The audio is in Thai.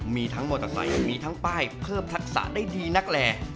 มีทั้งมอเตอร์ไซค์มีทั้งป้ายเพิ่มทักษะได้ดีนักแล